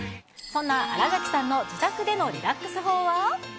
そんな新垣さんの自宅でのリラックス法は？